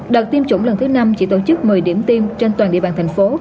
đợt tiêm chủng lần thứ năm chỉ tổ chức một mươi điểm tiêm trên toàn địa bàn thành phố